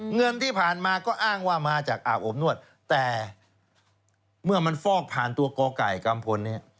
เงินที่ผ่านมาก็อ้างว่ามาจากอาบอบนวดแต่เมื่อมันฟอกผ่านตัวกไก่กัมพลเนี่ย